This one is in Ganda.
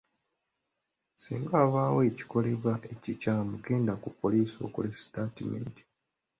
Singa wabaawo ekikolebwa ekikyamu, genda ku poliisi okole sitaatimenti.